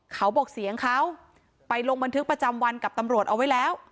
เขาบอกเสียงเขาไปลงบันทึกประจำวันกับตำรวจเอาไว้แล้ว